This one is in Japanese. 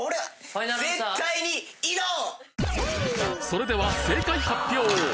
それでは正解発表！